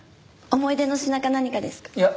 思い出の品か何かですか？